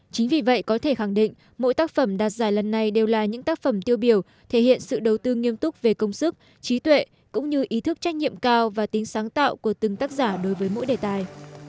chính vì vậy có thể khẳng định mỗi tác phẩm đạt giải lần này đều là những tác phẩm tiêu biểu thể hiện sự đầu tư nghiêm túc về công sức trí tuệ cũng như ý thức trách nhiệm cao và tính sáng tạo của từng tác giả đối với mỗi đề tài